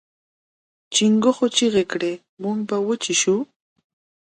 چنګښو چیغې کړې چې موږ به وچې شو.